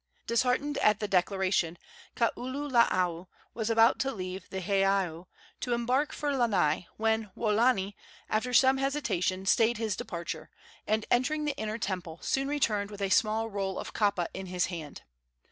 Disheartened at the declaration, Kaululaau was about to leave the heiau to embark for Lanai, when Waolani, after some hesitation, stayed his departure, and, entering the inner temple, soon returned with a small roll of kapa in his hand.